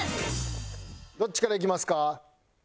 どっちからいきますか？